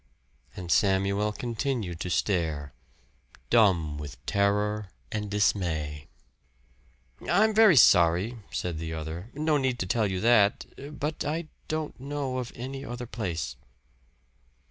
And Samuel continued to stare, dumb with terror and dismay. "I'm very sorry," said the other "no need to tell you that. But I don't know of any other place."